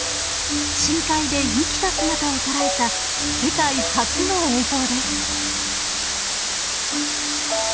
深海で生きた姿を捉えた世界初の映像です。